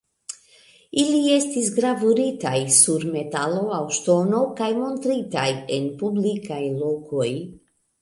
Ili estis gravuritaj sur metalo aŭ ŝtono kaj montritaj en publikaj lokoj.